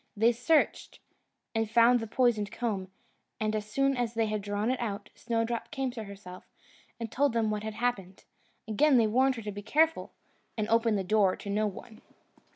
They searched, and found the poisoned comb; and as soon as they had drawn it out, Snowdrop came to herself, and told them what had happened. Again they warned her to be careful, and open the door to no one.